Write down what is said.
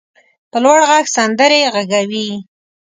په لوړ غږ سندرې غږوي.